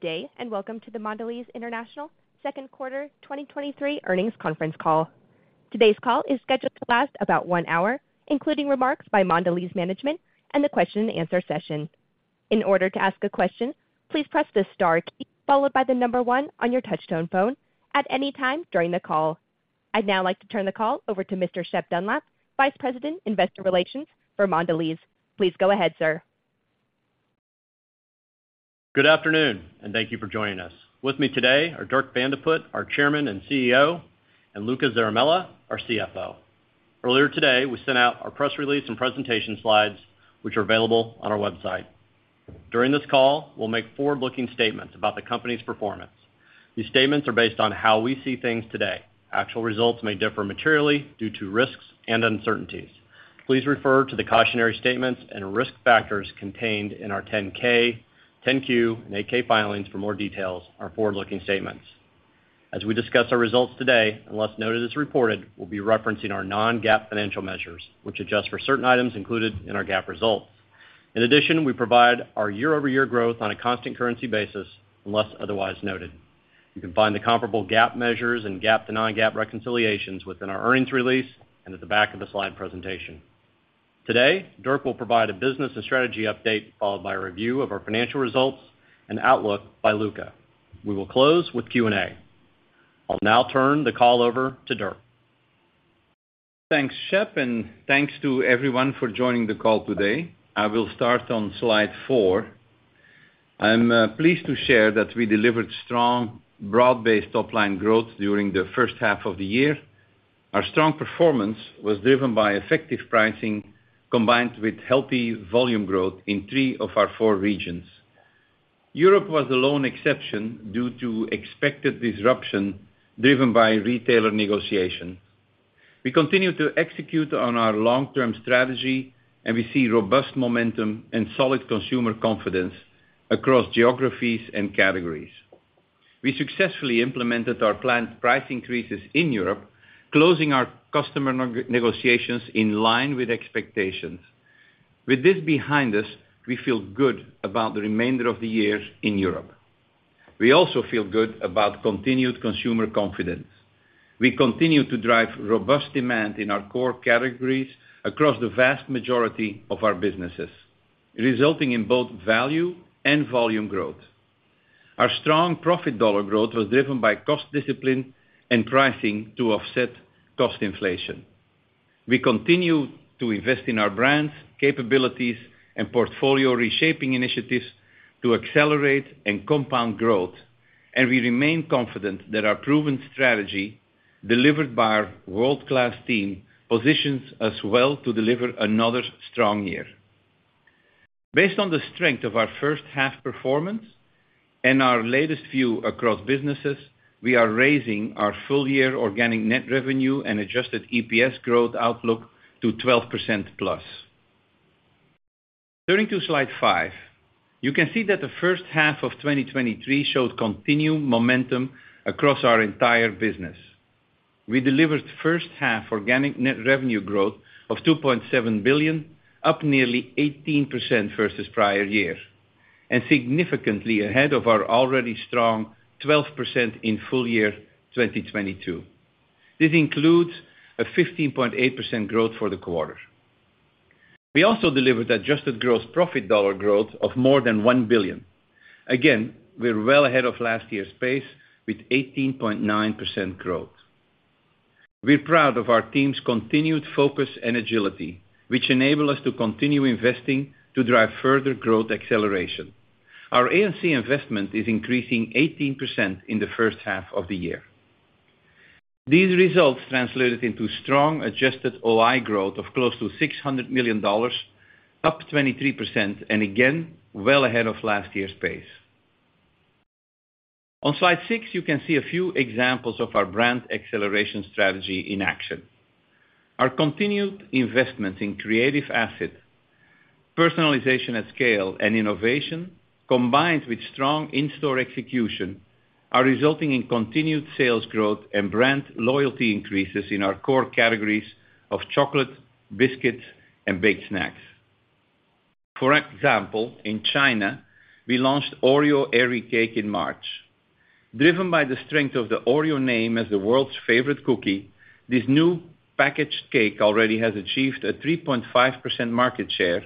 Good day, welcome to the Mondelēz International second quarter 2023 earnings conference call. Today's call is scheduled to last about one hour, including remarks by Mondelēz management and the question and answer session. In order to ask a question, please press the star key, followed by the number one on your touchtone phone at any time during the call. I'd now like to turn the call over to Mr. Shep Dunlap, Vice President, Investor Relations for Mondelēz. Please go ahead, sir. Good afternoon, and thank you for joining us. With me today are Dirk Van de Put, our Chairman and CEO, and Luca Zaramella, our CFO. Earlier today, we sent out our press release and presentation slides, which are available on our website. During this call, we'll make forward-looking statements about the company's performance. These statements are based on how we see things today. Actual results may differ materially due to risks and uncertainties. Please refer to the cautionary statements and risk factors contained in our 10-K, 10-Q, and 8-K filings for more details on our forward-looking statements. As we discuss our results today, unless noted as reported, we'll be referencing our non-GAAP financial measures, which adjust for certain items included in our GAAP results. In addition, we provide our year-over-year growth on a constant currency basis, unless otherwise noted. You can find the comparable GAAP measures and GAAP to non-GAAP reconciliations within our earnings release and at the back of the slide presentation. Today, Dirk will provide a business and strategy update, followed by a review of our financial results and outlook by Luca. We will close with Q&A. I'll now turn the call over to Dirk. Thanks, Shep, and thanks to everyone for joining the call today. I will start on slide four. I'm pleased to share that we delivered strong, broad-based top-line growth during the first half of the year. Our strong performance was driven by effective pricing, combined with healthy volume growth in three of our four regions. Europe was the lone exception due to expected disruption driven by retailer negotiation. We continue to execute on our long-term strategy, and we see robust momentum and solid consumer confidence across geographies and categories. We successfully implemented our planned price increases in Europe, closing our customer negotiations in line with expectations. With this behind us, we feel good about the remainder of the years in Europe. We also feel good about continued consumer confidence. We continue to drive robust demand in our core categories across the vast majority of our businesses, resulting in both value and volume growth. Our strong profit dollar growth was driven by cost discipline and pricing to offset cost inflation. We continue to invest in our brands, capabilities, and portfolio reshaping initiatives to accelerate and compound growth, and we remain confident that our proven strategy, delivered by our world-class team, positions us well to deliver another strong year. Based on the strength of our first half performance and our latest view across businesses, we are raising our full-year organic net revenue and adjusted EPS growth outlook to 12%+. Turning to slide five, you can see that the first half of 2023 showed continued momentum across our entire business. We delivered first half organic net revenue growth of $2.7 billion, up nearly 18% versus prior years, and significantly ahead of our already strong 12% in full year 2022. This includes a 15.8% growth for the quarter. We also delivered adjusted gross profit dollar growth of more than $1 billion. Again, we're well ahead of last year's pace with 18.9% growth. We're proud of our team's continued focus and agility, which enable us to continue investing to drive further growth acceleration. Our A&C investment is increasing 18% in the first half of the year. These results translated into strong adjusted OI growth of close to $600 million, up 23%, again, well ahead of last year's pace. On slide six, you can see a few examples of our brand acceleration strategy in action. Our continued investments in creative asset, personalization at scale, and innovation, combined with strong in-store execution, are resulting in continued sales growth and brand loyalty increases in our core categories of chocolate, biscuits, and baked snacks. For example, in China, we launched Oreo Airy Cake in March. Driven by the strength of the Oreo name as the world's favorite cookie, this new packaged cake already has achieved a 3.5% market share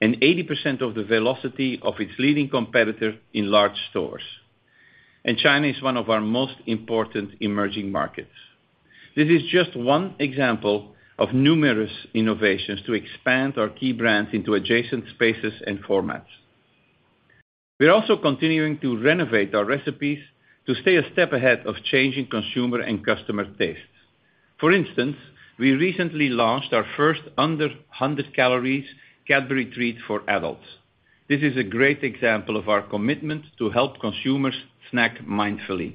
and 80% of the velocity of its leading competitor in large stores. China is one of our most important emerging markets. This is just one example of numerous innovations to expand our key brands into adjacent spaces and formats. We are also continuing to renovate our recipes to stay a step ahead of changing consumer and customer tastes. For instance, we recently launched our first under 100 calories Cadbury treat for adults. This is a great example of our commitment to help consumers snack mindfully.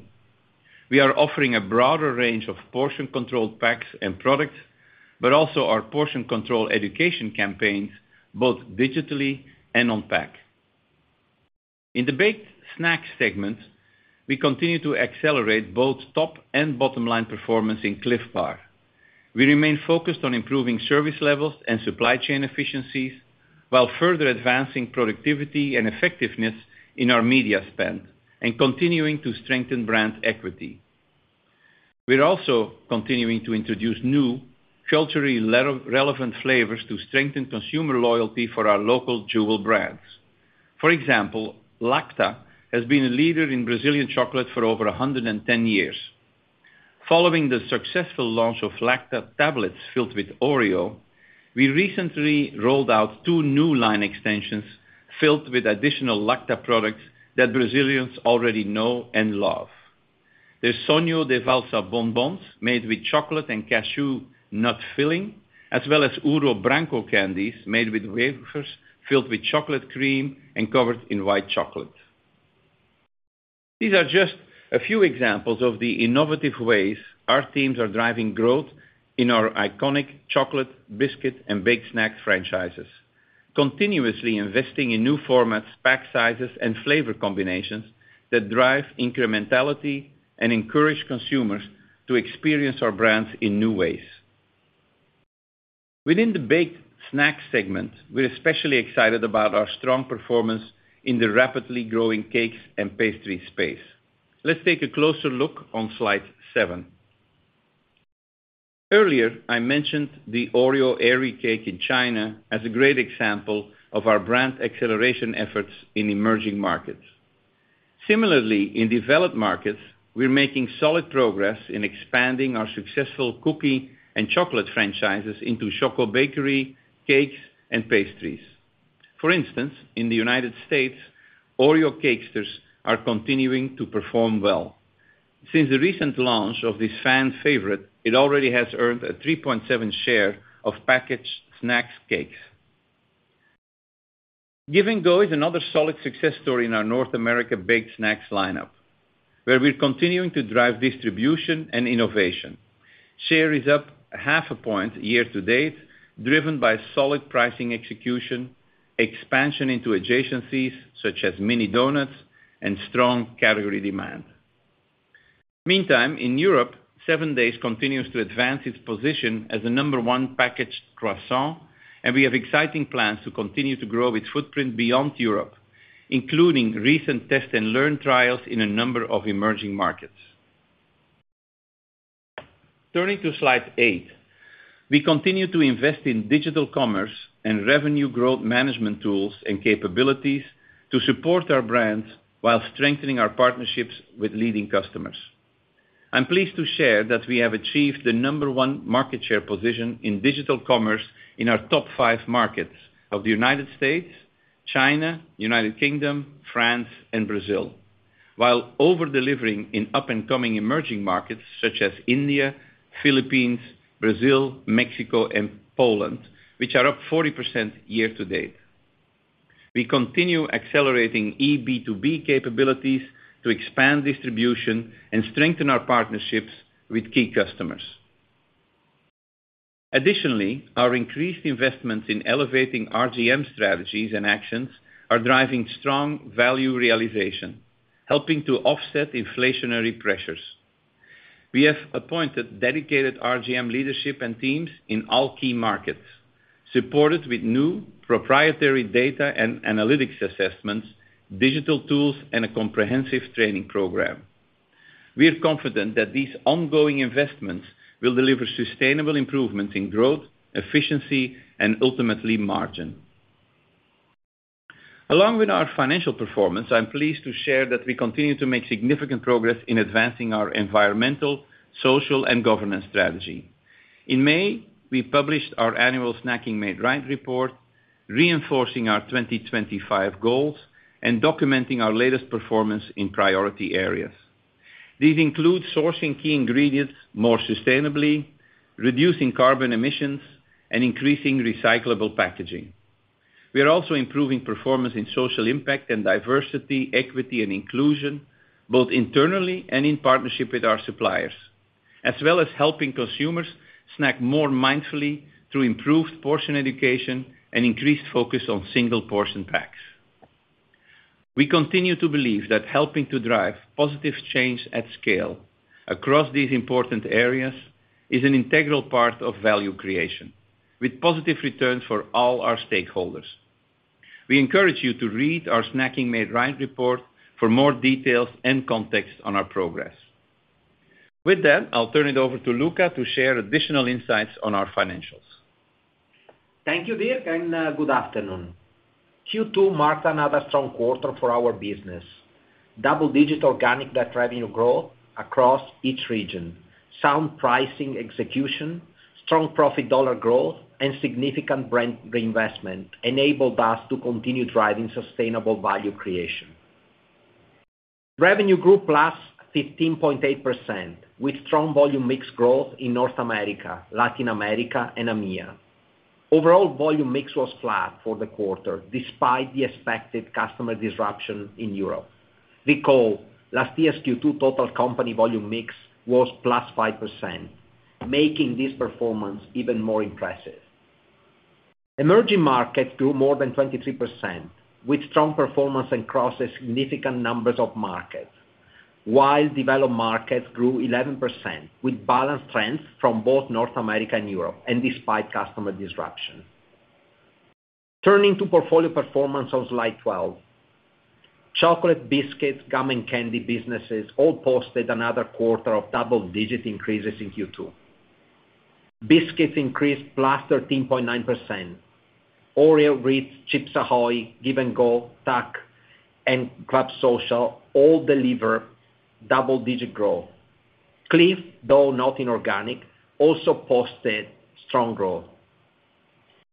We are offering a broader range of portion controlled packs and products, but also our portion control education campaigns, both digitally and on pack. In the baked snacks segment, we continue to accelerate both top and bottom line performance in Clif Bar. We remain focused on improving service levels and supply chain efficiencies, while further advancing productivity and effectiveness in our media spend, and continuing to strengthen brand equity. We're also continuing to introduce new culturally relevant flavors to strengthen consumer loyalty for our local jewel brands. For example, Lacta has been a leader in Brazilian chocolate for over 110 years. Following the successful launch of Lacta tablets filled with Oreo, we recently rolled out two new line extensions filled with additional Lacta products that Brazilians already know and love. The Sonho de Valsa bonbons, made with chocolate and cashew nut filling, as well as Ouro Branco candies, made with wafers, filled with chocolate cream, and covered in white chocolate. These are just a few examples of the innovative ways our teams are driving growth in our iconic chocolate, biscuit, and baked snack franchises, continuously investing in new formats, pack sizes, and flavor combinations that drive incrementality and encourage consumers to experience our brands in new ways. Within the baked snacks segment, we're especially excited about our strong performance in the rapidly growing cakes and pastries space. Let's take a closer look on slide seven. Earlier, I mentioned the Oreo Airy Cake in China as a great example of our brand acceleration efforts in emerging markets. Similarly, in developed markets, we're making solid progress in expanding our successful cookie and chocolate franchises into chocolate bakery, cakes, and pastries. For instance, in the United States, Oreo Cakesters are continuing to perform well. Since the recent launch of this fan favorite, it already has earned a 3.7% share of packaged snacks cakes. Give & Go is another solid success story in our North America baked snacks lineup, where we're continuing to drive distribution and innovation. Share is up 0.5 point year to date, driven by solid pricing execution, expansion into adjacencies, such as mini donuts and strong category demand. Meantime, in Europe, 7Days continues to advance its position as the number 1 packaged croissant, and we have exciting plans to continue to grow its footprint beyond Europe, including recent test and learn trials in a number of emerging markets. Turning to slide eight, we continue to invest in digital commerce and revenue growth management tools and capabilities to support our brands while strengthening our partnerships with leading customers. I'm pleased to share that we have achieved the number one market share position in digital commerce in our top five markets of the United States, China, United Kingdom, France, and Brazil, while over-delivering in up-and-coming emerging markets such as India, Philippines, Brazil, Mexico, and Poland, which are up 40% year to date. We continue accelerating eB2B capabilities to expand distribution and strengthen our partnerships with key customers. Additionally, our increased investments in elevating RGM strategies and actions are driving strong value realization, helping to offset inflationary pressures. We have appointed dedicated RGM leadership and teams in all key markets, supported with new proprietary data and analytics assessments, digital tools, and a comprehensive training program. We are confident that these ongoing investments will deliver sustainable improvement in growth, efficiency, and ultimately, margin. Along with our financial performance, I'm pleased to share that we continue to make significant progress in advancing our environmental, social, and governance strategy. In May, we published our annual Snacking Made Right report, reinforcing our 2025 goals and documenting our latest performance in priority areas. These include sourcing key ingredients more sustainably, reducing carbon emissions, and increasing recyclable packaging. We are also improving performance in social impact and diversity, equity, and inclusion, both internally and in partnership with our suppliers, as well as helping consumers snack more mindfully through improved portion education and increased focus on single-portion packs. We continue to believe that helping to drive positive change at scale across these important areas is an integral part of value creation, with positive returns for all our stakeholders. We encourage you to read our Snacking Made Right report for more details and context on our progress. With that, I'll turn it over to Luca to share additional insights on our financials. Thank you, Dirk. Good afternoon. Q2 marked another strong quarter for our business. Double-digit organic net revenue growth across each region, sound pricing execution, strong profit dollar growth, and significant brand reinvestment enabled us to continue driving sustainable value creation. Revenue grew +15.8%, with strong volume mix growth in North America, Latin America, and EMEA. Overall volume mix was flat for the quarter, despite the expected customer disruption in Europe. Recall, last year's Q2 total company volume mix was +5%, making this performance even more impressive. Emerging markets grew more than 23%, with strong performance and crosses significant numbers of markets. Developed markets grew 11%, with balanced trends from both North America and Europe, despite customer disruption. Turning to portfolio performance on slide 12. Chocolate, biscuits, gum, and candy businesses all posted another quarter of double-digit increases in Q2. Biscuits increased +13.9%. Oreo, Ritz, Chips Ahoy! Give & Go, Tak, and Club Social all deliver double-digit growth. Clif, though not inorganic, also posted strong growth.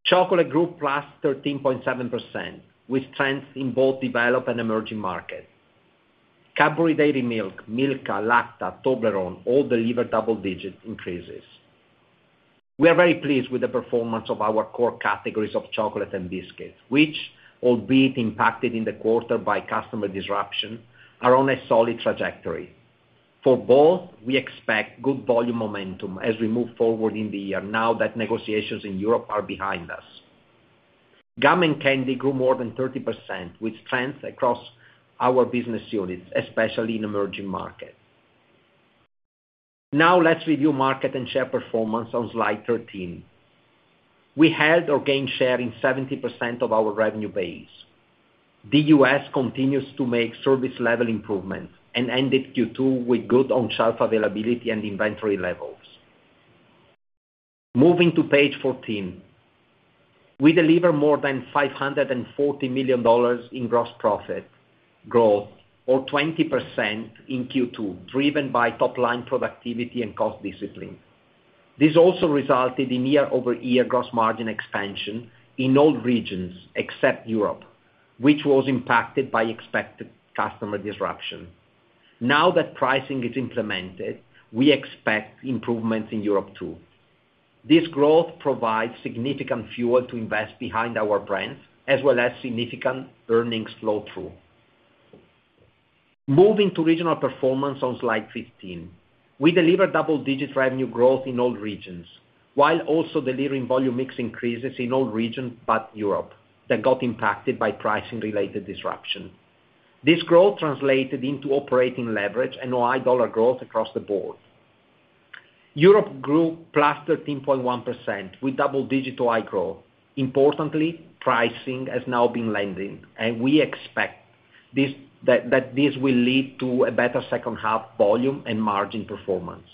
Chocolate grew +13.7%, with trends in both developed and emerging markets. Cadbury Dairy Milk, Milka, Lacta, Toblerone all delivered double-digit increases. We are very pleased with the performance of our core categories of chocolate and biscuits, which, albeit impacted in the quarter by customer disruption, are on a solid trajectory. For both, we expect good volume momentum as we move forward in the year now that negotiations in Europe are behind us. Gum and candy grew more than 30%, with trends across our business units, especially in emerging markets. Let's review market and share performance on slide 13. We held or gained share in 70% of our revenue base. The U.S. continues to make service level improvements and ended Q2 with good on-shelf availability and inventory levels. Moving to page 14. We delivered more than $540 million in gross profit growth, or 20% in Q2, driven by top line productivity and cost discipline. This also resulted in year-over-year gross margin expansion in all regions except Europe, which was impacted by expected customer disruption. Now that pricing is implemented, we expect improvements in Europe, too. This growth provides significant fuel to invest behind our brands, as well as significant earnings flow through. Moving to regional performance on slide 15. We delivered double-digit revenue growth in all regions, while also delivering volume mix increases in all regions but Europe, that got impacted by pricing-related disruption. This growth translated into operating leverage and high dollar growth across the board. Europe grew +13.1%, with double-digit high growth. Importantly, pricing has now been landing, we expect this will lead to a better second half volume and margin performance.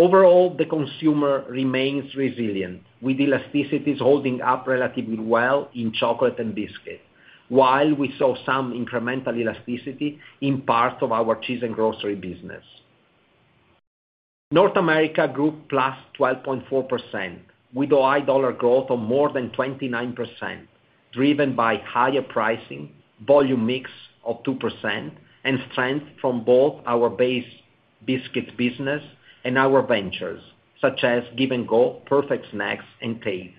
Overall, the consumer remains resilient, with elasticities holding up relatively well in chocolate and biscuit, while we saw some incremental elasticity in parts of our cheese and grocery business. North America grew +12.4%, with a high dollar growth of more than 29%, driven by higher pricing, volume mix of 2%, and strength from both our base biscuit business and our ventures, such as Give & Go, Perfect Snacks, and Tate's.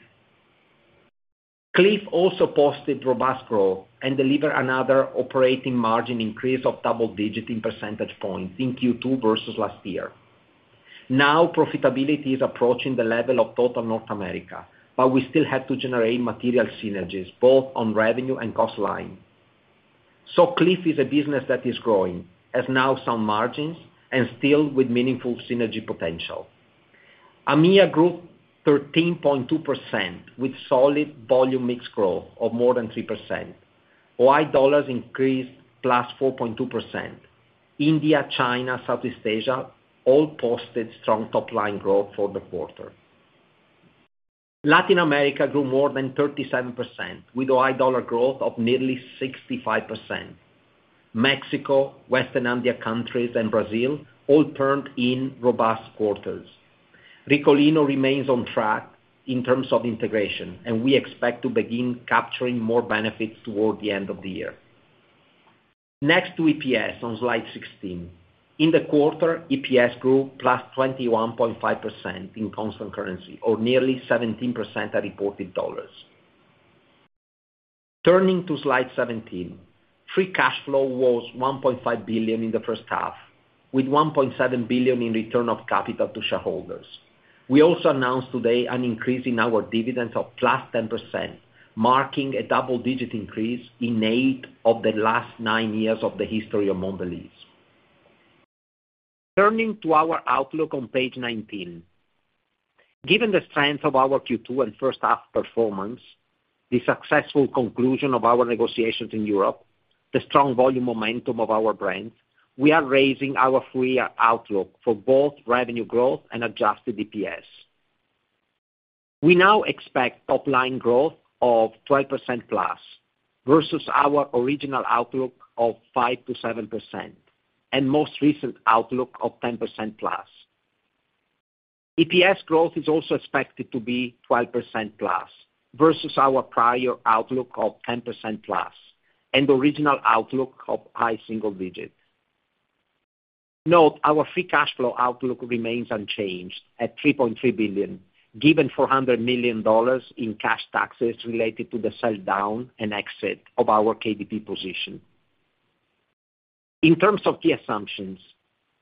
Clif also posted robust growth and delivered another operating margin increase of double digits in percentage points in Q2 versus last year. Profitability is approaching the level of total North America, but we still have to generate material synergies, both on revenue and cost line. Clif is a business that is growing, has now some margins, and still with meaningful synergy potential. EMEA grew 13.2%, with solid volume mix growth of more than 3%, while dollars increased +4.2%. India, China, Southeast Asia all posted strong top-line growth for the quarter. Latin America grew more than 37%, with a high dollar growth of nearly 65%. Mexico, Western Andean countries, and Brazil all turned in robust quarters. Ricolino remains on track in terms of integration, and we expect to begin capturing more benefits toward the end of the year. Next to EPS on slide 16. In the quarter, EPS grew +21.5% in constant currency, or nearly 17% at reported dollars. Turning to slide 17, free cash flow was $1.5 billion in the first half, with $1.7 billion in return of capital to shareholders. We also announced today an increase in our dividends of +10%, marking a double-digit increase in eight of the last nine years of the history of Mondelēz. Turning to our outlook on page 19. Given the strength of our Q2 and first half performance, the successful conclusion of our negotiations in Europe, the strong volume momentum of our brands, we are raising our full year outlook for both revenue growth and adjusted EPS. We now expect top-line growth of 12%+, versus our original outlook of 5%-7%, and most recent outlook of 10%+. EPS growth is also expected to be 12%+ versus our prior outlook of 10%+, and original outlook of high single digits. Note, our free cash flow outlook remains unchanged at $3.3 billion, given $400 million in cash taxes related to the sell-down and exit of our KDP position. In terms of key assumptions,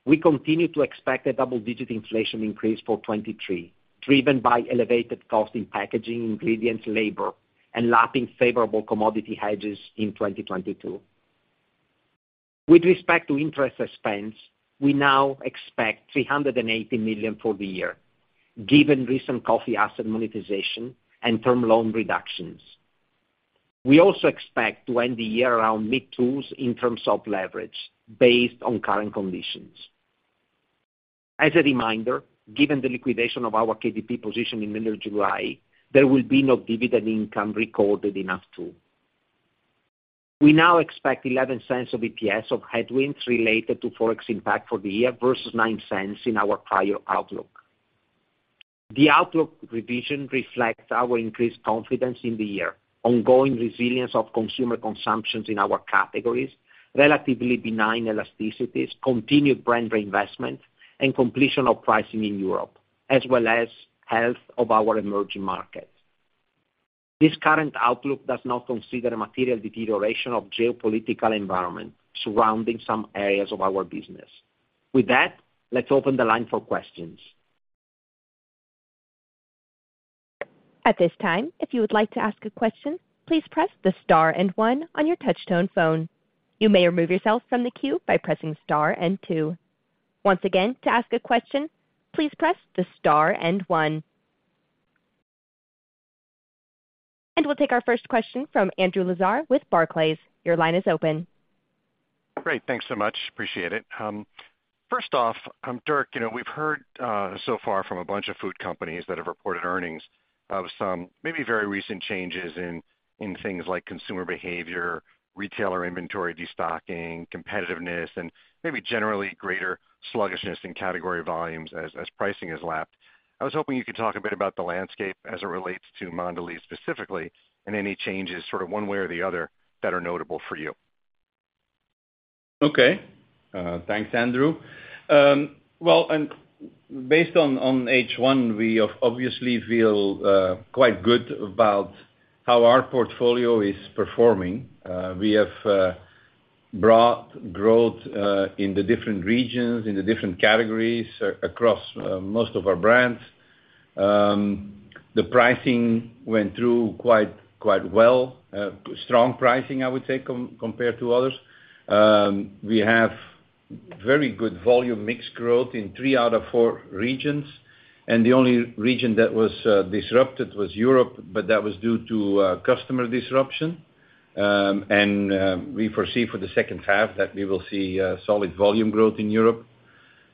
we continue to expect a double-digit inflation increase for 2023, driven by elevated cost in packaging, ingredients, labor, and lapping favorable commodity hedges in 2022. With respect to interest expense, we now expect $380 million for the year, given recent coffee asset monetization and term loan reductions. We also expect to end the year around mid-2s in terms of leverage based on current conditions. As a reminder, given the liquidation of our KDP position in mid-July, there will be no dividend income recorded in F2. We now expect $0.11 of EPS of headwinds related to Forex impact for the year versus $0.09 in our prior outlook. The outlook revision reflects our increased confidence in the year, ongoing resilience of consumer consumptions in our categories, relatively benign elasticities, continued brand reinvestment, and completion of pricing in Europe, as well as health of our emerging markets. This current outlook does not consider a material deterioration of geopolitical environment surrounding some areas of our business. With that, let's open the line for questions. At this time, if you would like to ask a question, please press the star and one on your touchtone phone. You may remove yourself from the queue by pressing star and two. Once again, to ask a question, please press the star and one. We'll take our first question from Andrew Lazar with Barclays. Your line is open. Great. Thanks so much. Appreciate it. First off, Dirk, you know, we've heard so far from a bunch of food companies that have reported earnings of some maybe very recent changes in, in things like consumer behavior, retailer inventory, destocking, competitiveness, and maybe generally greater sluggishness in category volumes as, as pricing has lapped. I was hoping you could talk a bit about the landscape as it relates to Mondelēz specifically, and any changes, sort of one way or the other, that are notable for you. Okay. Thanks, Andrew. Well, based on H1, we obviously feel quite good about how our portfolio is performing. We have brought growth in the different regions, in the different categories across most of our brands. The pricing went through quite, quite well. Strong pricing, I would say, compared to others. We have very good volume mix growth in three out of four regions, and the only region that was disrupted was Europe, but that was due to customer disruption. We foresee for the second half that we will see solid volume growth in Europe.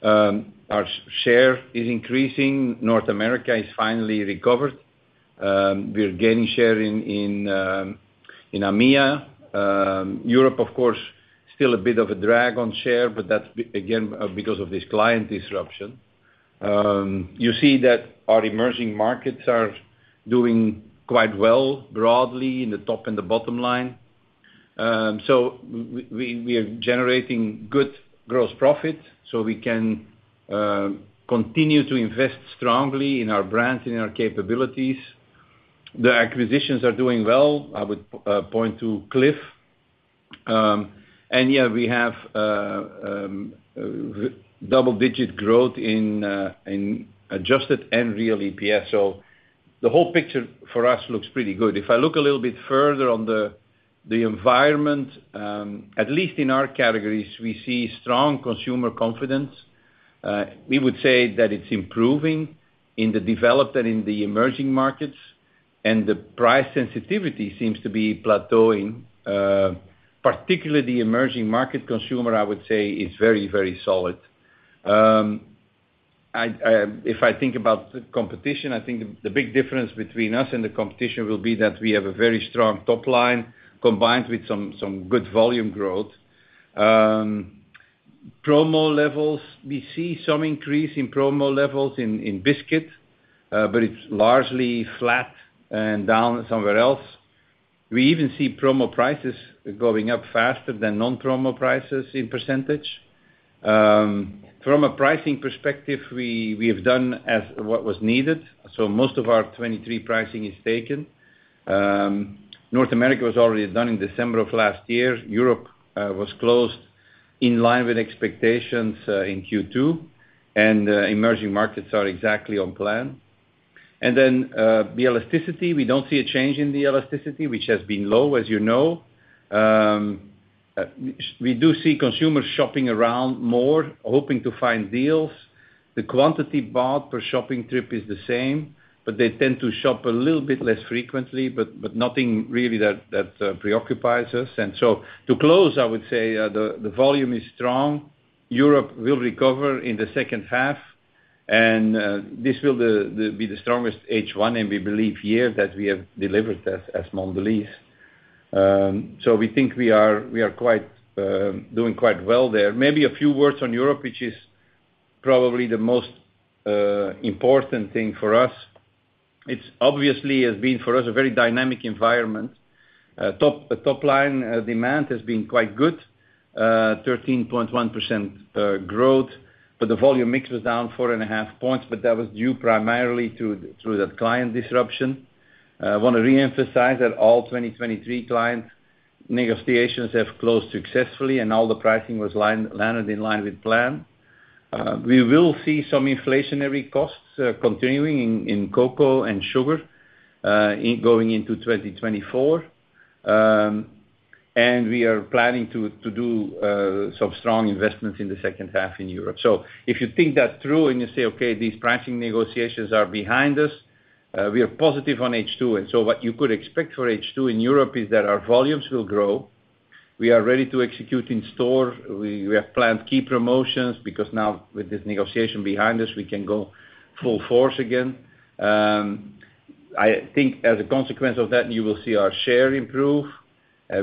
Our share is increasing. North America is finally recovered. We're gaining share in EMEA. Europe, of course, still a bit of a drag on share, but that's again, because of this client disruption. You see that our emerging markets are doing quite well broadly in the top and the bottom line. We, we are generating good gross profit, so we can continue to invest strongly in our brands and in our capabilities. The acquisitions are doing well. I would point to Clif. Yeah, we have double-digit growth in adjusted and real EPS. The whole picture for us looks pretty good. I look a little bit further on the, the environment, at least in our categories, we see strong consumer confidence. We would say that it's improving in the developed and in the emerging markets, and the price sensitivity seems to be plateauing. Particularly the emerging market consumer, I would say, is very, very solid. If I think about the competition, I think the big difference between us and the competition will be that we have a very strong top line combined with some good volume growth. Promo levels, we see some increase in promo levels in biscuit, but it's largely flat and down somewhere else. We even see promo prices going up faster than non-promo prices in percentage. From a pricing perspective, we have done as what was needed, so most of our 2023 pricing is taken. North America was already done in December of last year. Europe was closed in line with expectations in Q2, and emerging markets are exactly on plan. The elasticity, we don't see a change in the elasticity, which has been low, as you know. We do see consumers shopping around more, hoping to find deals. The quantity bought per shopping trip is the same, but they tend to shop a little bit less frequently, but, but nothing really that, that preoccupies us. To close, I would say, the, the volume is strong. Europe will recover in the second half, and this will the, the be the strongest H1, and we believe year that we have delivered as, as Mondelēz. We think we are, we are quite doing quite well there. Maybe a few words on Europe, which is probably the most important thing for us. It's obviously has been, for us, a very dynamic environment. Top, top line demand has been quite good, 13.1% growth. The volume mix was down 4.5 points, but that was due primarily to the client disruption. I want to reemphasize that all 2023 client negotiations have closed successfully, and all the pricing was landed in line with plan. We will see some inflationary costs continuing in cocoa and sugar going into 2024. We are planning to do some strong investments in the second half in Europe. If you think that through and you say, okay, these pricing negotiations are behind us, we are positive on H2. What you could expect for H2 in Europe is that our volumes will grow. We are ready to execute in store. We have planned key promotions because now with this negotiation behind us, we can go full force again. I think as a consequence of that, you will see our share improve.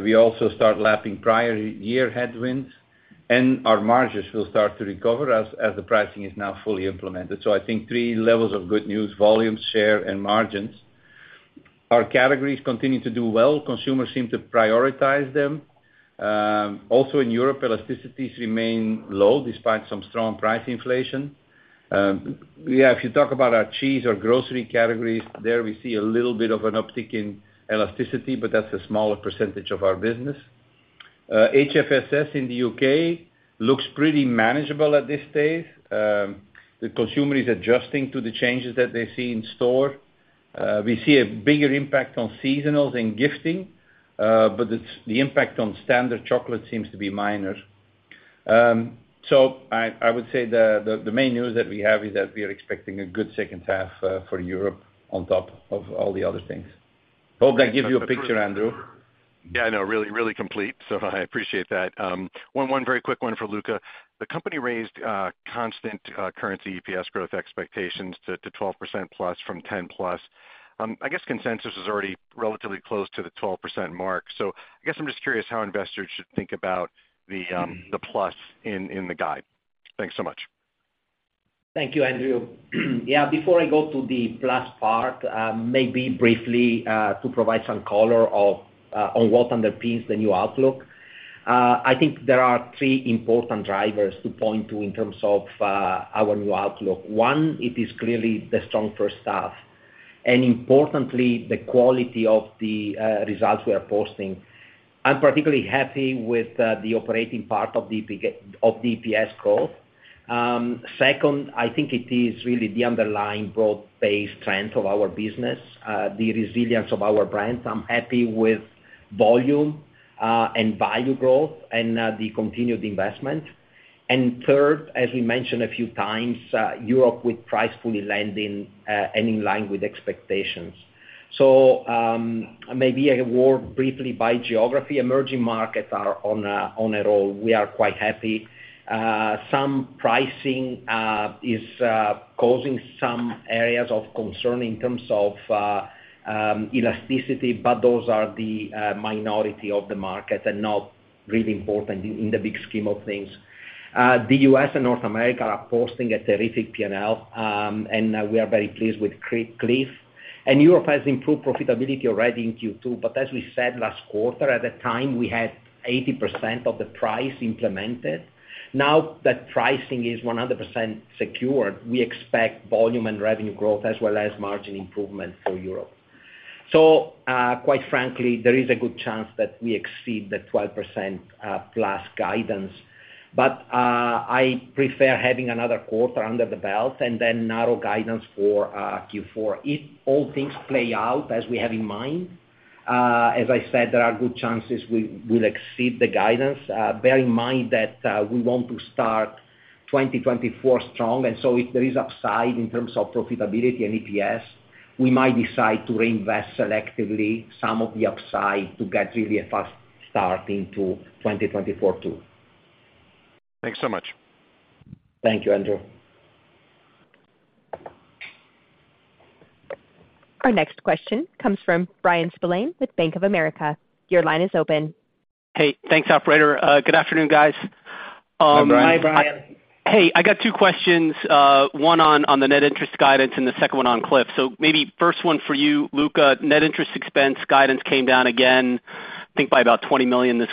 We also start lapping prior year headwinds, and our margins will start to recover as the pricing is now fully implemented. I think three levels of good news, volume, share, and margins. Our categories continue to do well. Consumers seem to prioritize them. Also in Europe, elasticities remain low despite some strong price inflation. If you talk about our cheese or grocery categories, there we see a little bit of an uptick in elasticity, but that's a smaller percentage of our business. HFSS in the U.K. looks pretty manageable at this stage. The consumer is adjusting to the changes that they see in store. We see a bigger impact on seasonals and gifting, but it's the impact on standard chocolate seems to be minor. I, I would say the, the, the main news that we have is that we are expecting a good second half for Europe on top of all the other things. Hope that gives you a picture, Andrew. Yeah, I know, really, really complete, so I appreciate that. One, one very quick one for Luca. The company raised constant currency EPS growth expectations to 12%+ from 10%+. I guess consensus is already relatively close to the 12% mark. I guess I'm just curious how investors should think about the plus in the guide. Thanks so much. Thank you, Andrew. Yeah, before I go to the plus part, maybe briefly to provide some color on what underpins the new outlook. I think there are three important drivers to point to in terms of our new outlook. One, it is clearly the strong first half, and importantly, the quality of the results we are posting. I'm particularly happy with the operating part of the EPS growth. Second, I think it is really the underlying broad-based trend of our business, the resilience of our brands. I'm happy with volume and value growth and the continued investment. Third, as we mentioned a few times, Europe with price fully landing and in line with expectations. Maybe I work briefly by geography. Emerging markets are on a roll. We are quite happy. Some pricing is causing some areas of concern in terms of elasticity, but those are the minority of the market and not really important in the big scheme of things. The U.S. and North America are posting a terrific P&L, and we are very pleased with Clif. Europe has improved profitability already in Q2, but as we said last quarter, at the time, we had 80% of the price implemented. Now that pricing is 100% secure, we expect volume and revenue growth, as well as margin improvement for Europe. Quite frankly, there is a good chance that we exceed the 12% plus guidance. I prefer having another quarter under the belt and then narrow guidance for Q4. If all things play out as we have in mind, as I said, there are good chances we will exceed the guidance. Bear in mind that, we want to start 2024 strong, so if there is upside in terms of profitability and EPS, we might decide to reinvest selectively some of the upside to get really a fast start into 2024 too. Thanks so much. Thank you, Andrew. Our next question comes from Bryan Spillane with Bank of America. Your line is open. Hey, thanks, operator. Good afternoon, guys. Hi, Bryan. Hi, Bryan. Hey, I got two questions, one on, on the net interest guidance and the second one on Clif. Maybe first one for you, Luca. Net interest expense guidance came down again, I think by about $20 million this,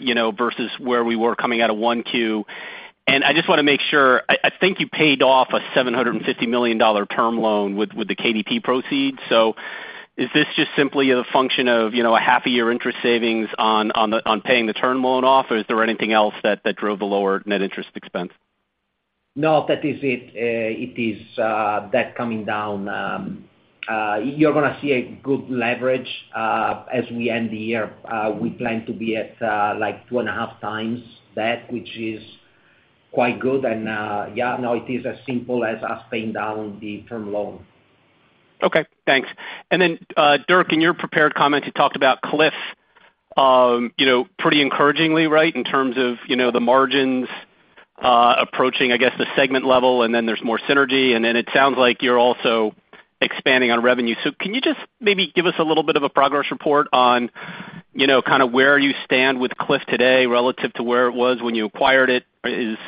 you know, versus where we were coming out of 1Q. I just want to make sure. I think you paid off a $750 million term loan with, with the KDP proceeds. Is this just simply a function of, you know, a half a year interest savings on, on the, on paying the term loan off, or is there anything else that, that drove the lower net interest expense? No, that is it. It is that coming down. You're gonna see a good leverage as we end the year. We plan to be at like 2.5x debt, which is quite good. Yeah, no, it is as simple as us paying down the term loan. Okay, thanks. Then, Dirk, in your prepared comments, you talked about Clif, you know, pretty encouragingly, right? In terms of, you know, the margins, approaching, I guess, the segment level, and then there's more synergy, and then it sounds like you're also expanding on revenue. Can you just maybe give us a little bit of a progress report on, you know, kind of where you stand with Clif today relative to where it was when you acquired it? Is, you know, is,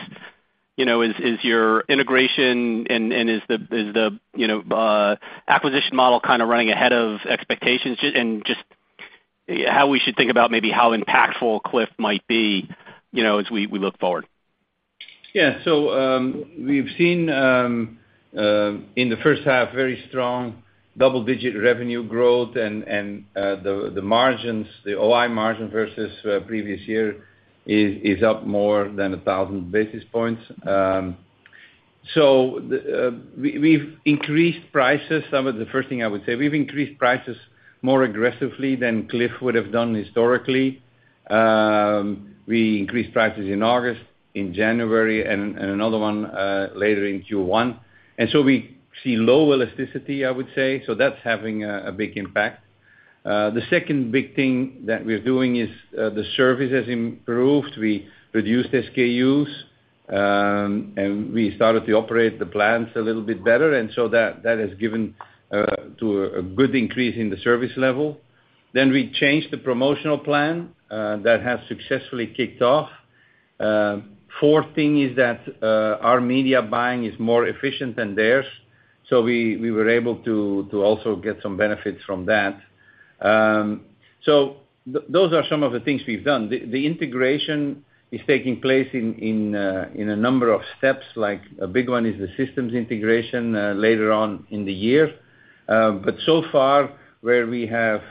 is your integration and, and is the, is the, you know, acquisition model kind of running ahead of expectations? Just how we should think about maybe how impactful Clif might be, you know, as we, we look forward? Yeah. We've seen in the first half, very strong double-digit revenue growth, and the margins, the OI margin versus previous year is up more than 1,000 basis points. We've increased prices. Some of the first thing I would say, we've increased prices more aggressively than Clif would have done historically. We increased prices in August, in January, and another one later in Q1. We see low elasticity, I would say, so that's having a big impact. The second big thing that we're doing is the service has improved. We reduced SKUs, and we started to operate the plants a little bit better, that has given to a good increase in the service level. We changed the promotional plan that has successfully kicked off. Fourth thing is that our media buying is more efficient than theirs, so we, we were able to, to also get some benefits from that. Those are some of the things we've done. The, the integration is taking place in, in a number of steps, like a big one is the systems integration later on in the year. So far, where we have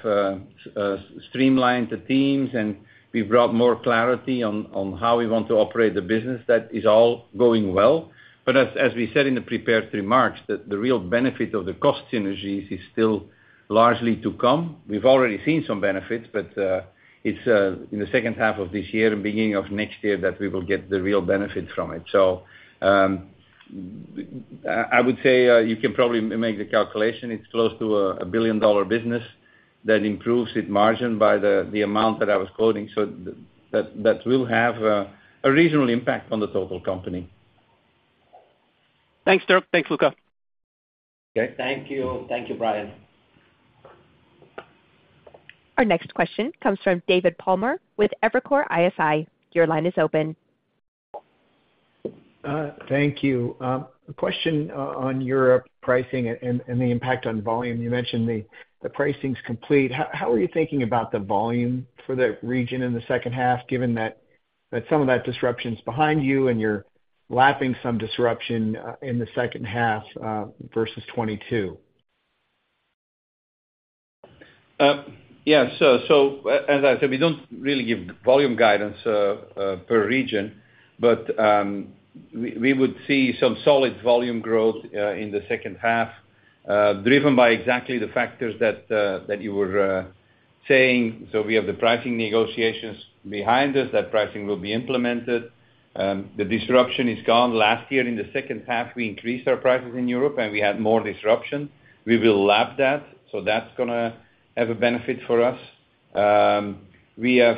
streamlined the teams and we've brought more clarity on, on how we want to operate the business, that is all going well. As, as we said in the prepared remarks, the, the real benefit of the cost synergies is still largely to come. We've already seen some benefits, but it's in the second half of this year and beginning of next year that we will get the real benefit from it. I would say, you can probably make the calculation. It's close to a billion-dollar business that improves its margin by the amount that I was quoting, so that will have a reasonable impact on the total company. Thanks, Dirk. Thanks, Luca. Okay. Thank you. Thank you, Brian. Our next question comes from David Palmer with Evercore ISI. Your line is open. Thank you. A question on Europe pricing and the impact on volume. You mentioned the pricing's complete. How are you thinking about the volume for the region in the second half, given that some of that disruption's behind you and you're lapping some disruption in the second half versus 2022? Yeah. As I said, we don't really give volume guidance per region, but we would see some solid volume growth in the second half, driven by exactly the factors that you were saying. We have the pricing negotiations behind us. That pricing will be implemented. The disruption is gone. Last year, in the second half, we increased our prices in Europe, and we had more disruption. We will lap that, so that's gonna have a benefit for us. We have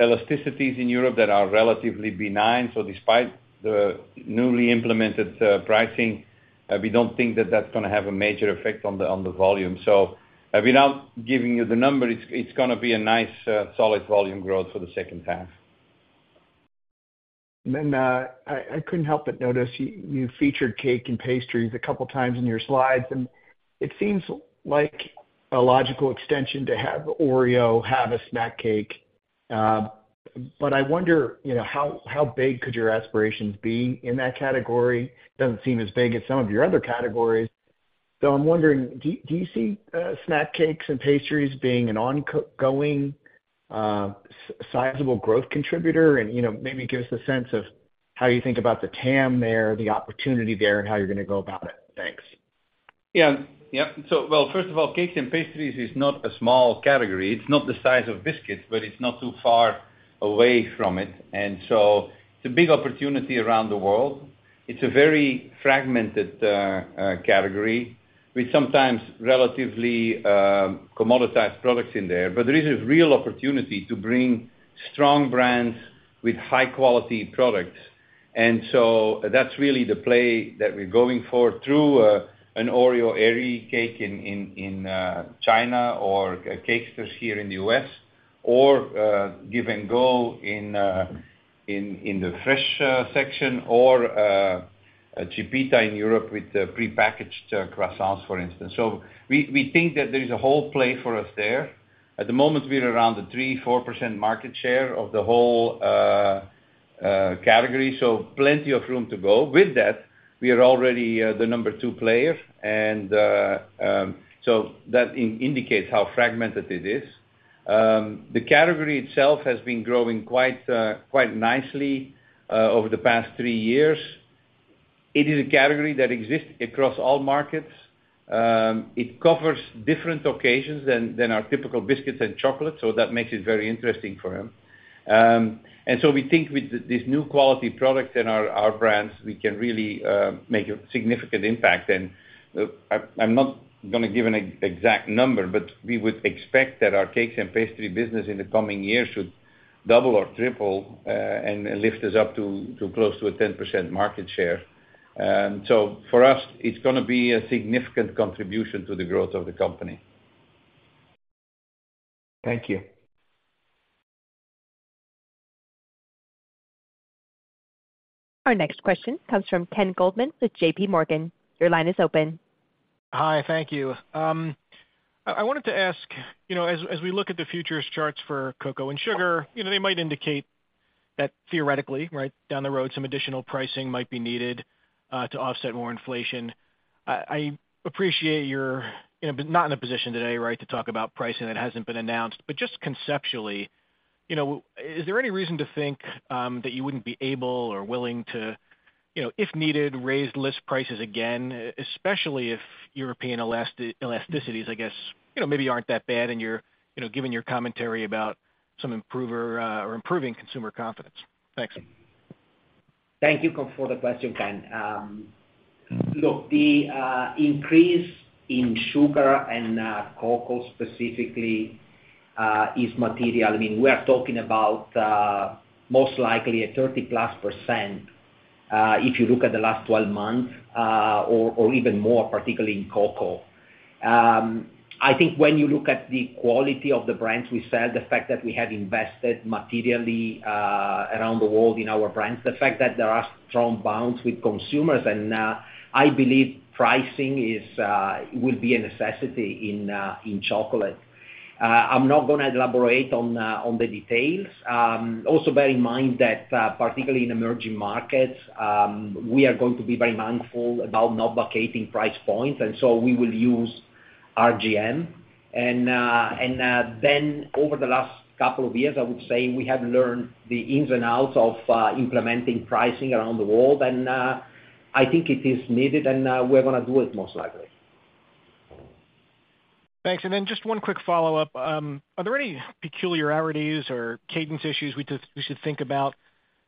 elasticities in Europe that are relatively benign, so despite the newly implemented pricing, we don't think that that's gonna have a major effect on the volume. Without giving you the number, it's gonna be a nice solid volume growth for the second half. I, I couldn't help but notice you, you featured cake and pastries a couple times in your slides, and it seems like a logical extension to have Oreo have a snack cake. I wonder, you know, how, how big could your aspirations be in that category? Doesn't seem as big as some of your other categories, so I'm wondering, do, do you see snack cakes and pastries being an ongoing sizable growth contributor? You know, maybe give us a sense of how you think about the TAM there, the opportunity there, and how you're gonna go about it. Thanks. Yeah. Yeah. First of all, cakes and pastries is not a small category. It's not the size of biscuits, but it's not too far away from it, and so it's a big opportunity around the world. It's a very fragmented category with sometimes relatively commoditized products in there. There is a real opportunity to bring strong brands with high-quality products. That's really the play that we're going for through an Oreo Airy Cake in China or Cakesters here in the U.S. or Give & Go in the fresh section or Chipita in Europe with prepackaged croissants, for instance. We think that there is a whole play for us there. At the moment, we're around the 3-4% market share of the whole category, so plenty of room to go. With that, we are already the number two player, and so that indicates how fragmented it is. The category itself has been growing quite, quite nicely over the past three years. It is a category that exists across all markets. It covers different occasions than, than our typical biscuits and chocolate, so that makes it very interesting for them. So we think with this new quality product in our, our brands, we can really make a significant impact. I, I'm not gonna give an exact number, but we would expect that our cakes and pastry business in the coming years should double or triple, and, and lift us up to, to close to a 10% market share. For us, it's gonna be a significant contribution to the growth of the company. Thank you. Our next question comes from Kenneth with JPMorgan. Your line is open. Hi, thank you. I, I wanted to ask, you know, as, as we look at the futures charts for cocoa and sugar, you know, they might indicate that theoretically, right down the road, some additional pricing might be needed, to offset more inflation. I, I appreciate you're, you know, not in a position today, right, to talk about pricing that hasn't been announced. But just conceptually, you know, is there any reason to think, that you wouldn't be able or willing to, you know, if needed, raise list prices again, especially if European elasticities, I guess, you know, maybe aren't that bad, and you're, you know, given your commentary about some improver or improving consumer confidence? Thanks. Thank you for the question, Ken. Look, the increase in sugar and cocoa, specifically, is material. I mean, we are talking about most likely a 30+% if you look at the last 12 months, or even more, particularly in cocoa. I think when you look at the quality of the brands we sell, the fact that we have invested materially around the world in our brands, the fact that there are strong bonds with consumers, and I believe pricing is will be a necessity in chocolate. I'm not gonna elaborate on the details. Also bear in mind that particularly in emerging markets, we are going to be very mindful about not vacating price points, and so we will use RGM. Then over the last couple of years, I would say we have learned the ins and outs of implementing pricing around the world, and I think it is needed, and we're gonna do it, most likely. Thanks. Then just one quick follow-up. Are there any peculiarities or cadence issues we should think about,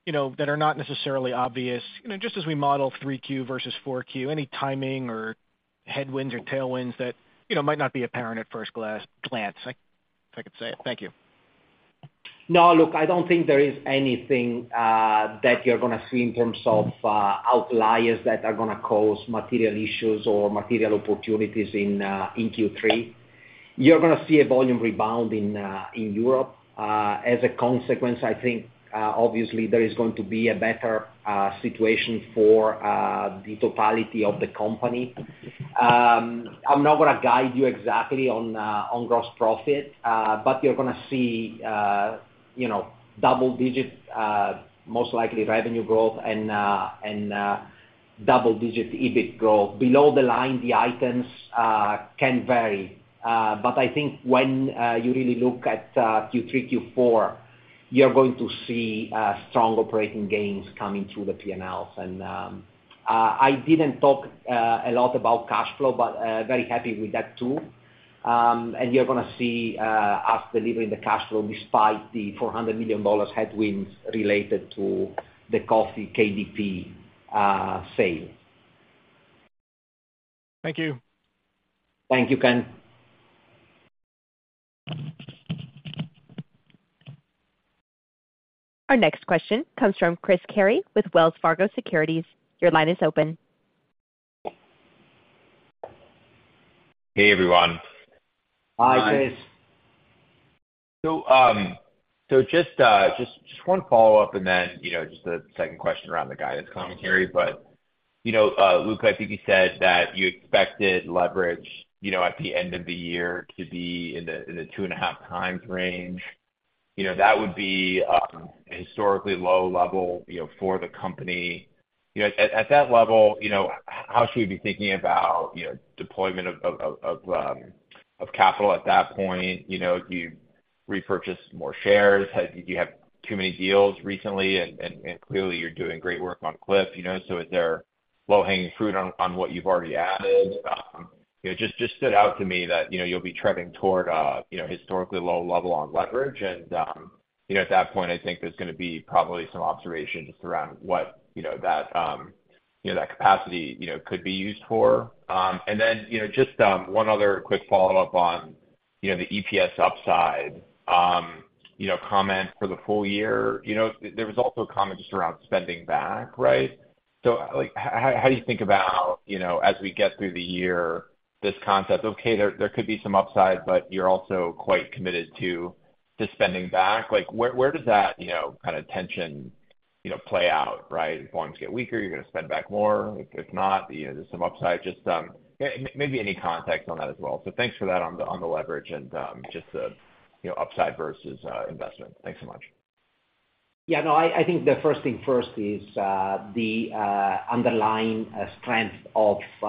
you know, that are not necessarily obvious? You know, just as we model 3Q versus 4Q, any timing or headwinds or tailwinds that, you know, might not be apparent at first glance, if I could say it. Thank you. No, look, I don't think there is anything that you're gonna see in terms of outliers that are gonna cause material issues or material opportunities in Q3. You're gonna see a volume rebound in Europe. As a consequence, I think, obviously there is going to be a better situation for the totality of the company. I'm not gonna guide you exactly on gross profit, but you're gonna see, you know, double digit most likely revenue growth and double digit EBIT growth. Below the line, the items can vary, but I think when you really look at Q3, Q4, you're going to see strong operating gains coming through the P&Ls. I didn't talk a lot about cash flow, but very happy with that too. You're gonna see us delivering the cash flow despite the $400 million headwinds related to the coffee KDP sale. Thank you. Thank you, Ken. Our next question comes from Christopher Carey with Wells Fargo Securities. Your line is open. Hey, everyone. Hi, Chris. just 1 follow-up, and then, you know, just a second question around the guidance commentary. you know, Luca, I think you said that you expected leverage, you know, at the end of the year to be in the, in the 2.5x range. You know, that would be a historically low level, you know, for the company. You know, at, at that level, you know, how should we be thinking about, you know, deployment of, of, of capital at that point? You know, do you repurchase more shares? do you have too many deals recently, and, and, and clearly you're doing great work on Clif. You know, is there low-hanging fruit on, on what you've already added? It just, just stood out to me that, you know, you'll be trending toward a, you know, historically low level on leverage, and, you know, at that point, I think there's gonna be probably some observations around what, you know, that, you know, that capacity, you know, could be used for. Then, you know, just, one other quick follow-up on, you know, the EPS upside, you know, comment for the full year. You know, there was also a comment just around spending back, right? Like, how do you think about, you know, as we get through the year, this concept, okay, there, there could be some upside, but you're also quite committed to the spending back. Like, where, where does that, you know, kind of tension, you know, play out, right? If margins get weaker, you're gonna spend back more. If, if not, you know, there's some upside. Just maybe any context on that as well. Thanks for that on the, on the leverage and just the, you know, upside versus investment. Thanks so much. Yeah, no, I, I think the first thing first is the underlying strength of the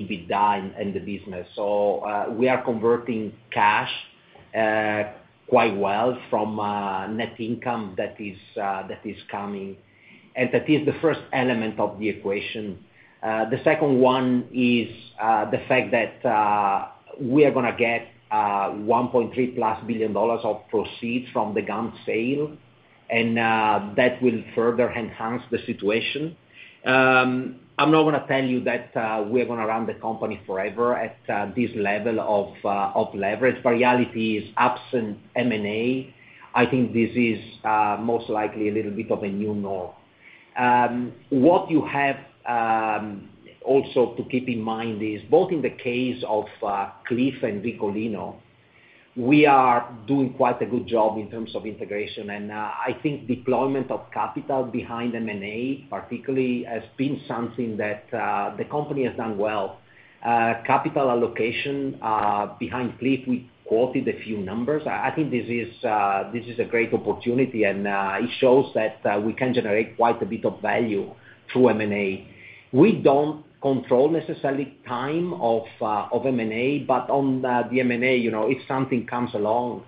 EBITDA in the business. We are converting cash quite well from net income that is that is coming, and that is the first element of the equation. The second one is the fact that we are gonna get $1.3+ billion of proceeds from the GUM sale, that will further enhance the situation. I'm not gonna tell you that we're gonna run the company forever at this level of of leverage. Reality is, absent M&A, I think this is most likely a little bit of a new norm. What you have also to keep in mind is, both in the case of Clif and Ricolino. We are doing quite a good job in terms of integration, and I think deployment of capital behind M&A, particularly, has been something that the company has done well. Capital allocation behind Clif, we quoted a few numbers. I think this is, this is a great opportunity, and it shows that we can generate quite a bit of value through M&A. We don't control necessarily time of M&A, but on the, the M&A, you know, if something comes along,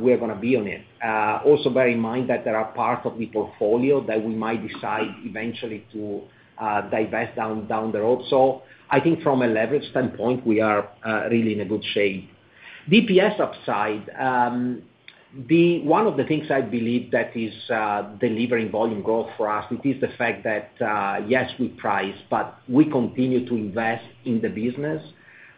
we're gonna be on it. Also bear in mind that there are parts of the portfolio that we might decide eventually to divest down, down the road. I think from a leverage standpoint, we are really in a good shape. DPS upside, one of the things I believe that is delivering volume growth for us, it is the fact that yes, we price, but we continue to invest in the business,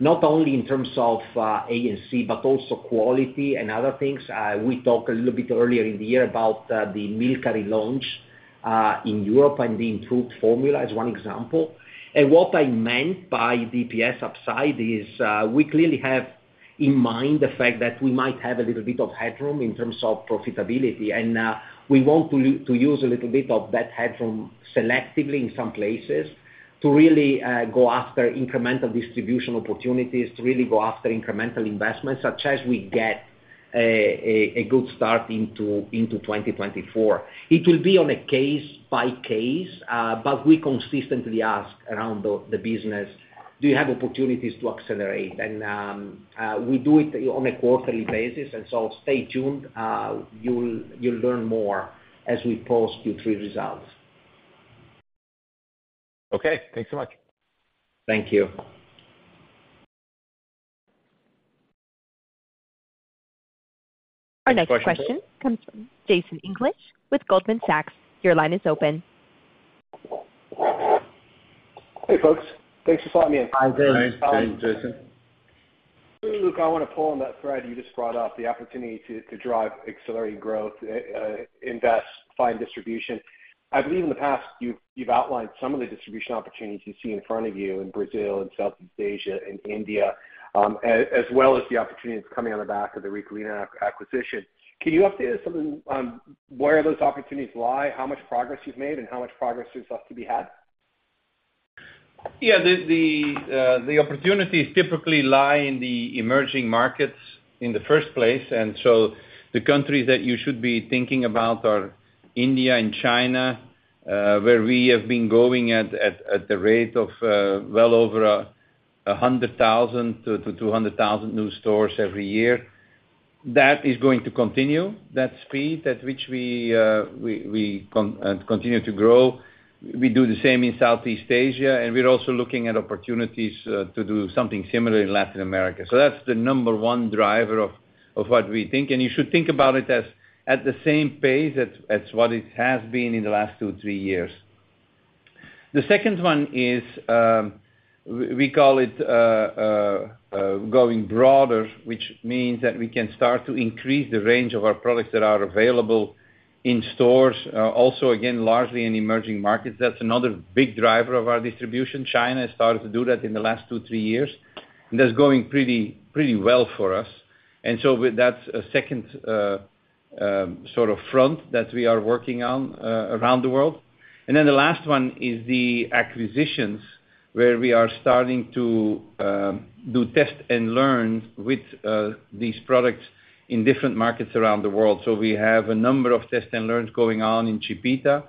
not only in terms of ANC, but also quality and other things. We talked a little bit earlier in the year about the Milka relaunch in Europe and the improved formula as one example. What I meant by DPS upside is, we clearly have in mind the fact that we might have a little bit of headroom in terms of profitability. We want to use a little bit of that headroom selectively in some places to really go after incremental distribution opportunities, to really go after incremental investments, such as we get a good start into 2024. It will be on a case by case, but we consistently ask around the, the business, "Do you have opportunities to accelerate?" We do it on a quarterly basis, stay tuned. You'll, you'll learn more as we post Q3 results. Okay, thanks so much. Thank you. Our next question comes from Jason English with Goldman Sachs. Your line is open. Hey, folks. Thanks for letting me in. Hi, Jason. Hi, Jason. Luke, I wanna pull on that thread you just brought up, the opportunity to drive accelerating growth, invest, find distribution. I believe in the past, you've outlined some of the distribution opportunities you see in front of you in Brazil and Southeast Asia and India, as well as the opportunities coming on the back of the Ricolino acquisition. Can you update us on where those opportunities lie, how much progress you've made, and how much progress is left to be had? Yeah, the, the opportunities typically lie in the emerging markets in the first place, and so the countries that you should be thinking about are India and China, where we have been growing at, at, at the rate of, well over 100,000 to 200,000 new stores every year. That is going to continue, that speed at which we, we continue to grow. We do the same in Southeast Asia, and we're also looking at opportunities to do something similar in Latin America. That's the number one driver of, of what we think, and you should think about it as at the same pace as, as what it has been in the last two, three years. The second one is, we call it, going broader, which means that we can start to increase the range of our products that are available in stores, also, again, largely in emerging markets. That's another big driver of our distribution. China has started to do that in the last two, three years, that's going pretty, pretty well for us. With that, a second sort of front that we are working on around the world. The last one is the acquisitions, where we are starting to do test and learn with these products in different markets around the world. We have a number of test and learns going on in Chipita.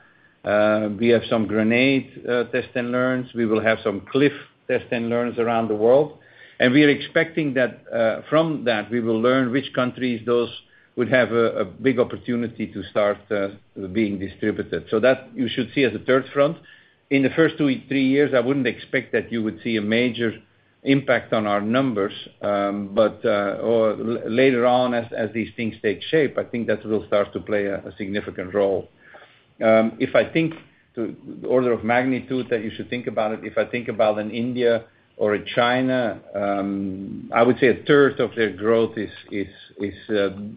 We have some Grenade test and learns. We will have some Clif test and learns around the world. We are expecting that, from that, we will learn which countries those would have a big opportunity to start being distributed. That you should see as a third front. In the first two, three years, I wouldn't expect that you would see a major impact on our numbers, but later on, as these things take shape, I think that will start to play a significant role. If I think the order of magnitude that you should think about it, if I think about an India or a China, I would say a third of their growth is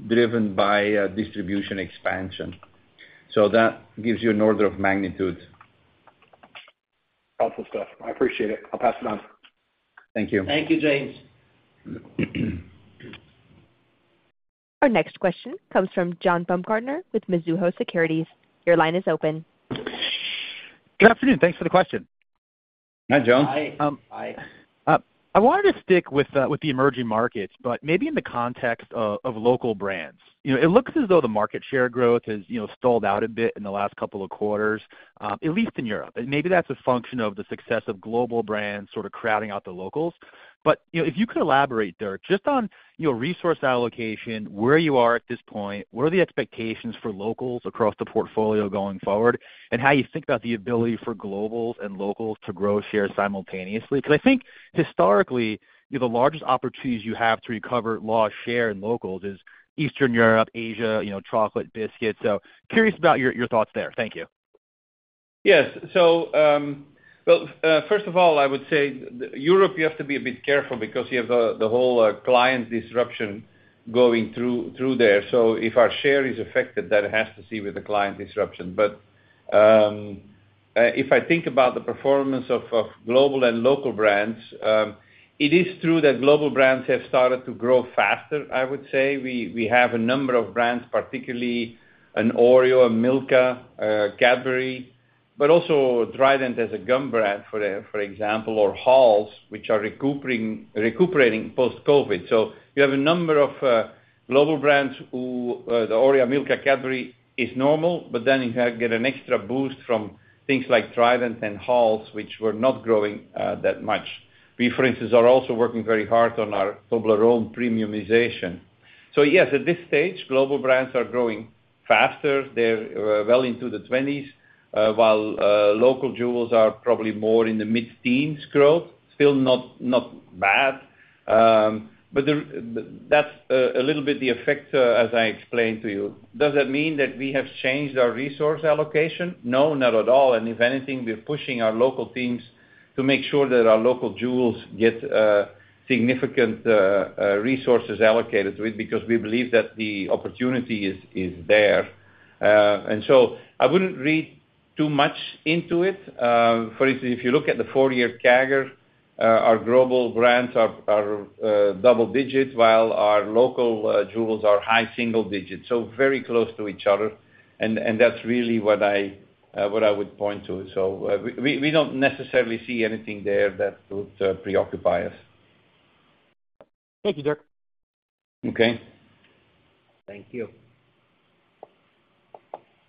driven by distribution expansion. That gives you an order of magnitude. Helpful stuff. I appreciate it. I'll pass it on. Thank you. Thank you, Jason. Our next question comes from John Baumgartner with Mizuho Securities. Your line is open. Good afternoon. Thanks for the question. Hi, John. Hi. Hi. I wanted to stick with, with the emerging markets, but maybe in the context of local brands. You know, it looks as though the market share growth has, you know, stalled out a bit in the last couple of quarters, at least in Europe, and maybe that's a function of the success of global brands sort of crowding out the locals. You know, if you could elaborate there, just on, you know, resource allocation, where you are at this point, what are the expectations for locals across the portfolio going forward, and how you think about the ability for globals and locals to grow share simultaneously. I think historically, you know, the largest opportunities you have to recover lost share in locals is Eastern Europe, Asia, you know, chocolate, biscuits. Curious about your, your thoughts there. Thank you. Yes. Well, first of all, I would say Europe, you have to be a bit careful because you have the whole client disruption going through, through there. If our share is affected, that has to see with the client disruption. If I think about the performance of, of global and local brands, it is true that global brands have started to grow faster, I would say. We, we have a number of brands, particularly an Oreo, a Milka, Cadbury, but also Trident as a gum brand, for example, or Halls, which are recupering, recuperating post-COVID. You have a number of global brands who, the Oreo, Milka, Cadbury, is normal, but then you have get an extra boost from things like Trident and Halls, which were not growing that much. We, for instance, are also working very hard on our Toblerone premiumization. Yes, at this stage, global brands are growing faster. They're well into the twenties, while local jewels are probably more in the mid-teens growth. Still not, not bad. But that's a little bit the effect as I explained to you. Does that mean that we have changed our resource allocation? No, not at all. If anything, we're pushing our local teams to make sure that our local jewels get significant resources allocated to it, because we believe that the opportunity is there. I wouldn't read too much into it. For instance, if you look at the four-year CAGR, our global brands are double digit, while our local jewels are high single digit. Very close to each other, and, and that's really what I, what I would point to. We, we, we don't necessarily see anything there that would preoccupy us. Thank you, Dirk. Okay. Thank you.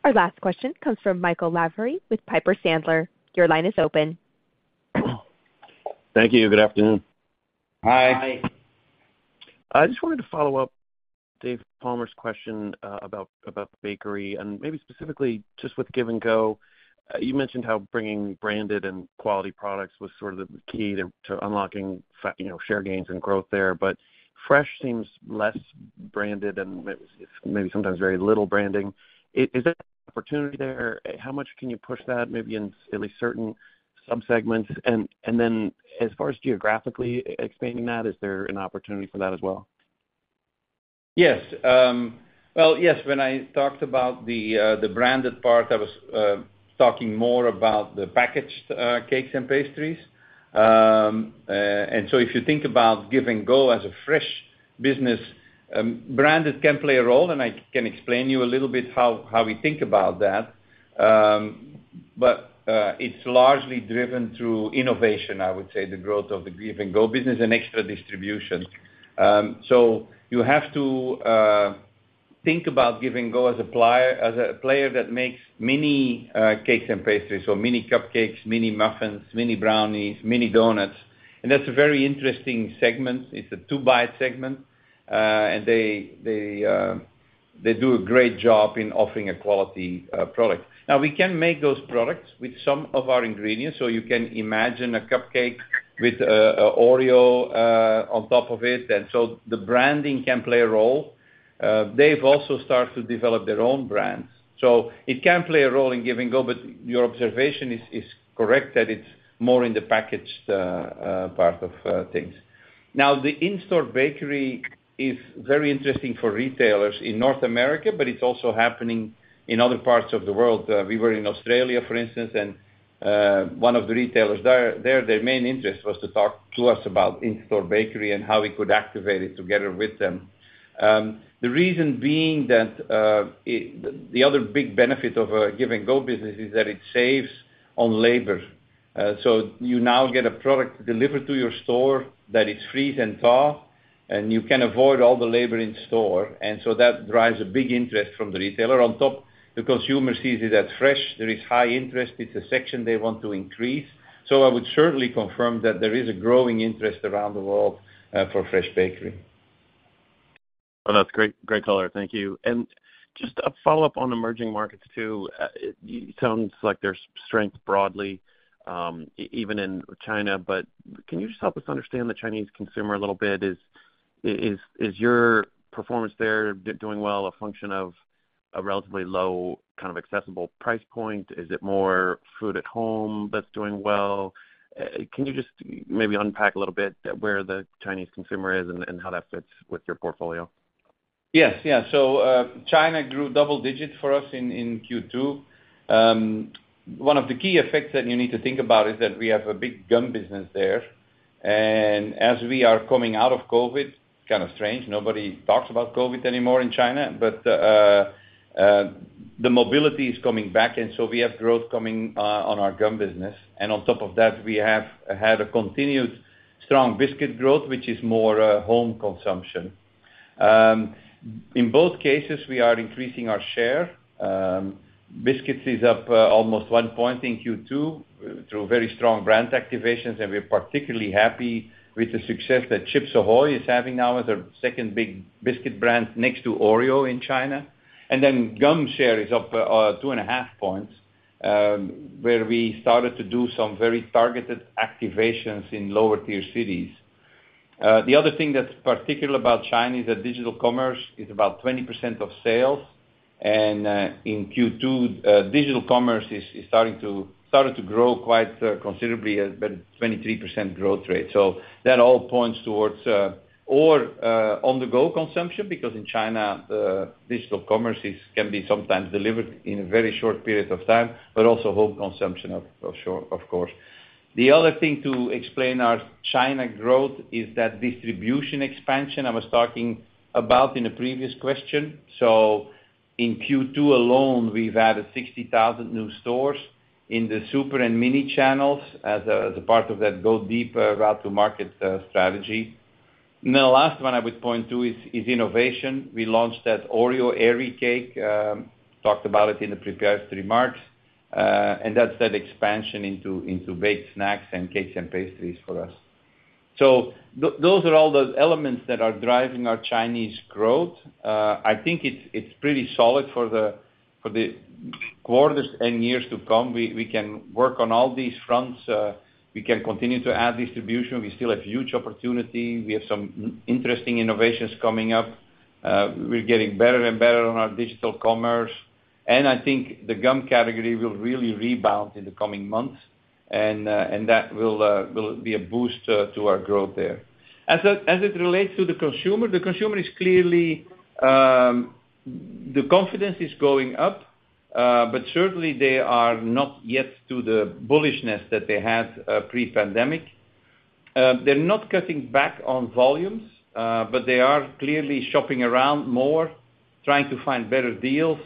Our last question comes from Michael Lavery with Piper Sandler. Your line is open. Thank you. Good afternoon. Hi. I just wanted to follow up Dave Palmer's question, about, about the bakery, and maybe specifically just with Give & Go. You mentioned how bringing branded and quality products was sort of the key to, to unlocking you know, share gains and growth there, but fresh seems less branded and maybe sometimes very little branding. Is there an opportunity there? How much can you push that, maybe in at least certain subsegments? Then as far as geographically expanding that, is there an opportunity for that as well? Yes. Well, yes, when I talked about the branded part, I was talking more about the packaged cakes and pastries. So if you think about Give & Go as a fresh business, branded can play a role, and I can explain to you a little bit how, how we think about that. It's largely driven through innovation, I would say, the growth of the Give & Go business and extra distribution. You have to think about Give & Go as a player that makes mini cakes and pastries, so mini cupcakes, mini muffins, mini brownies, mini donuts, and that's a very interesting segment. It's a to-buy segment, and they, they do a great job in offering a quality product. We can make those products with some of our ingredients. You can imagine a cupcake with a Oreo on top of it, the branding can play a role. They've also started to develop their own brands, it can play a role in Give & Go, your observation is, is correct, that it's more in the packaged part of things. The in-store bakery is very interesting for retailers in North America, it's also happening in other parts of the world. We were in Australia, for instance, one of the retailers there, their main interest was to talk to us about in-store bakery and how we could activate it together with them. The reason being that The other big benefit of a Give & Go business is that it saves on labor. You now get a product delivered to your store that is freeze and thaw, and you can avoid all the labor in store, so that drives a big interest from the retailer. On top, the consumer sees it as fresh. There is high interest. It's a section they want to increase. I would certainly confirm that there is a growing interest around the world for fresh bakery. Well, that's great, great color. Thank you. Just a follow-up on emerging markets, too. It sounds like there's strength broadly, even in China, but can you just help us understand the Chinese consumer a little bit? Is your performance there doing well, a function of a relatively low kind of accessible price point? Is it more food at home that's doing well? Can you just maybe unpack a little bit where the Chinese consumer is and, and how that fits with your portfolio? Yes. Yeah. China grew double digits for us in Q2. One of the key effects that you need to think about is that we have a big gum business there. As we are coming out of COVID, kind of strange, nobody talks about COVID anymore in China, but the mobility is coming back, we have growth coming on our gum business. On top of that, we have had a continued strong biscuit growth, which is more home consumption. In both cases, we are increasing our share. Biscuits is up almost one point in Q2 through very strong brand activations, and we're particularly happy with the success that Chips Ahoy! is having now as our second big biscuit brand next to Oreo in China. Then gum share is up 2.5 points, where we started to do some very targeted activations in lower-tier cities. The other thing that's particular about China is that digital commerce is about 20% of sales, and in Q2, digital commerce is, is starting to started to grow quite considerably, at about 23% growth rate. That all points towards, or on-the-go consumption, because in China, digital commerce is, can be sometimes delivered in a very short period of time, but also home consumption of, of sure, of course. The other thing to explain our China growth is that distribution expansion I was talking about in the previous question. In Q2 alone, we've added 60,000 new stores in the super and mini channels as a part of that go deeper route to market strategy. The last one I would point to is innovation. We launched that Oreo Airy Cake, talked about it in the prepared remarks, and that's that expansion into baked snacks and cakes and pastries for us. Those are all the elements that are driving our Chinese growth. I think it's pretty solid for the quarters and years to come. We can work on all these fronts. We can continue to add distribution. We still have huge opportunity. We have some interesting innovations coming up. We're getting better and better on our digital commerce, I think the gum category will really rebound in the coming months, and that will be a boost to our growth there. As it relates to the consumer, the consumer is clearly, the confidence is going up, certainly they are not yet to the bullishness that they had pre-pandemic. They're not cutting back on volumes, they are clearly shopping around more, trying to find better deals,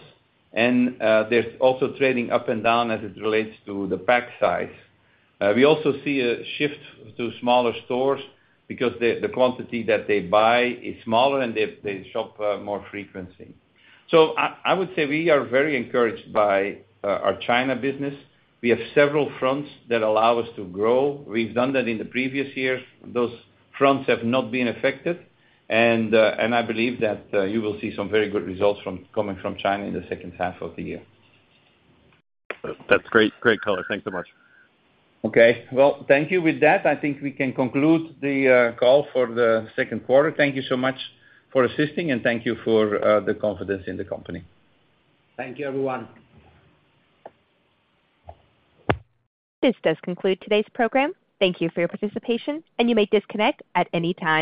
there's also trading up and down as it relates to the pack size. We also see a shift to smaller stores because the quantity that they buy is smaller, and they shop more frequently. I would say we are very encouraged by our China business. We have several fronts that allow us to grow. We've done that in the previous years. Those fronts have not been affected, and, and I believe that, you will see some very good results coming from China in the second half of the year. That's great. Great color. Thanks so much. Okay. Well, thank you. With that, I think we can conclude the call for the second quarter. Thank you so much for assisting, and thank you for the confidence in the company. Thank you, everyone. This does conclude today's program. Thank you for your participation. You may disconnect at any time.